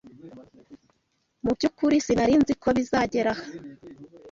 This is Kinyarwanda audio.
Mubyukuri, sinari nzi ko bizagera aha.